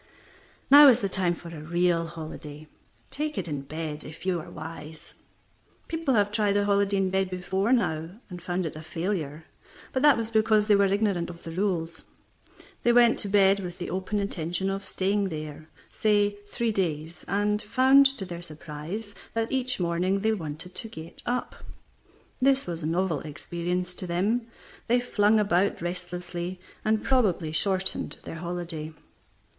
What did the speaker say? Now is the time for a real holiday. Take it in bed, if you are wise. People have tried a holiday in bed before now, and found it a failure, but that was because they were ignorant of the rules. They went to bed with the open intention of staying there, say, three days, and found to their surprise that each morning they wanted to get up. This was a novel experience to them, they flung about restlessly, and probably shortened their holiday.